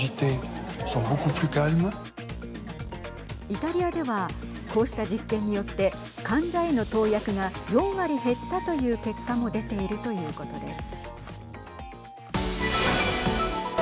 イタリアではこうした実験によって患者への投薬が４割減ったという結果も出ているということです。